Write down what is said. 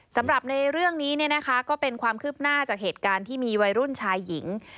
สำหรับในเรื่องนี้เนี่ยนะคะก็เป็นความคืบหน้าจากเหตุการณ์ที่มีวัยรุ่นชายหญิง